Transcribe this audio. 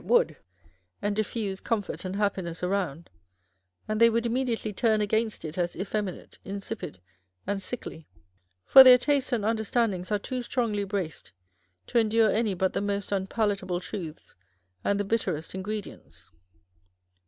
Let their system succeed, as they pretend it would, and diffuse comfort and happiness around; and they would imme diately turn against it as effeminate, insipid, and sickly ; for their tastes and understandings are too strongly braced to endure any but the most unpalatable .truths and the bitterest ingredients.